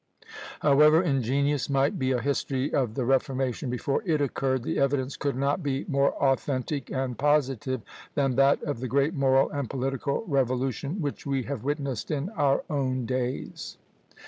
However ingenious might be a history of the Reformation before it occurred, the evidence could not be more authentic and positive than that of the great moral and political revolution which we have witnessed in our own days.